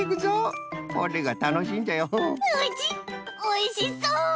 おいしそう！